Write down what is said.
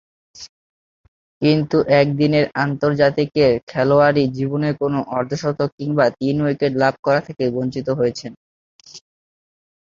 কিন্তু একদিনের আন্তর্জাতিকের খেলোয়াড়ী জীবনে কোন অর্ধ-শতক কিংবা তিন-উইকেট লাভ করা থেকে বঞ্চিত হয়েছেন।